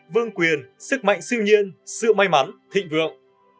vương quyền sức mạnh siêu nhiên sự may mắn thịnh vượng